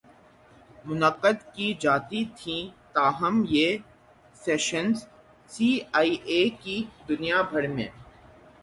منعقد کی جاتی تھیں تاہم یہ سیشنز سی آئی اے کی دنیا بھر می